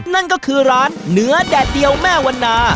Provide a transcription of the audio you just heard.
นั่นก็คือร้านเนื้อแดดเดียวแม่วันนา